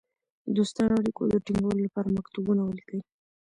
دوستانه اړېکو د تینګولو لپاره مکتوبونه ولیکي.